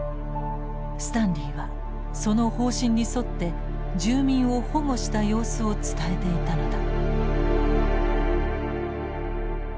スタンリーはその方針に沿って住民を保護した様子を伝えていたのだ。